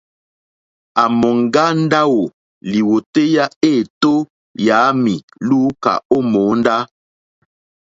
À mòŋgá ndáwò lìwòtéyá éètó yǎmì lùúkà ó mòóndá.